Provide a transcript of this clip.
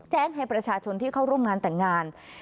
ให้ประชาชนที่เข้าร่วมงานแต่งงาน